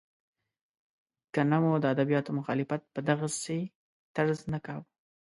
که نه مو د ادبیاتو مخالفت په دغسې طرز نه کاوه.